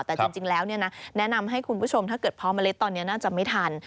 แต่จริงแล้วแนะนำให้คุณผู้ชมถ้าเกิดเพาะเมล็ดตอนนี้น่าจะไม่ทัน